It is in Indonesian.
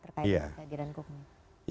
terkait dengan kehadiran kukmin